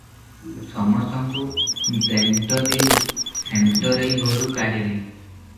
ସମସ୍ତଙ୍କୁ ଦେଣ୍ଟରେଇ ହେଣ୍ଟରେଇ ଘରୁ କାଢ଼ିଲି ।